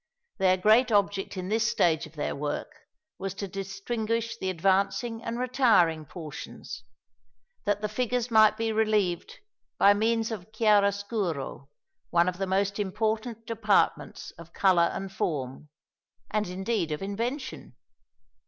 Their great object in this stage of their work was to distinguish the advancing and retiring portions, that the figures might be relieved by means of chiaro scuro one of the most important departments of colour and form, and indeed of invention.